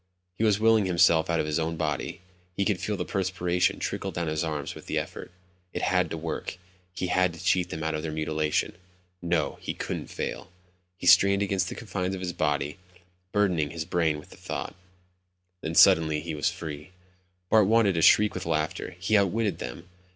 He was willing himself out of his own body. He could feel the perspiration trickle down his arms with the effort. It had to work. He had to cheat them out of their mutilation. No, he couldn't fail. He strained against the confines of his body, burdening his brain with thought, and suddenly he was free. Bart wanted to shriek with laughter. He'd outwitted them.